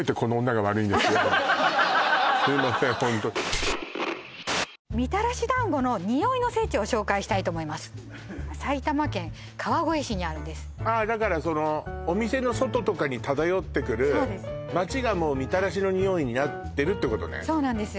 ホントみたらし団子の匂いの聖地を紹介したいと思いますにあるんですああだからそのお店の外とかに漂ってくるそうです街がもうみたらしの匂いになってるってことねそうなんです